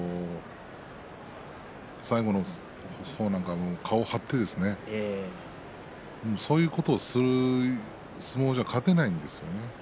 最後の方は顔を張ってそういうことをする相撲じゃ勝てないんですよね。